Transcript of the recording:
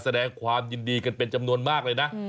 แสดงความยินดีกันเป็นจำนวนมากเลยนะ